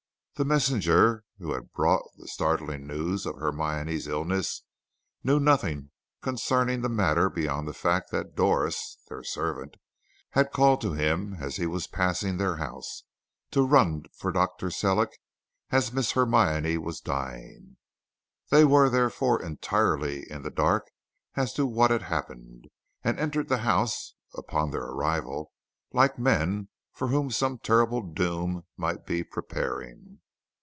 The messenger who had brought the startling news of Hermione's illness knew nothing concerning the matter beyond the fact that Doris, their servant, had called to him, as he was passing their house, to run for Dr. Sellick, as Miss Hermione was dying. They were therefore entirely in the dark as to what had happened, and entered the house, upon their arrival, like men for whom some terrible doom might be preparing.